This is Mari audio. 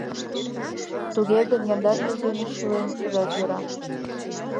— Туге гын, яндар юж дене шӱлена, тудат йӧра.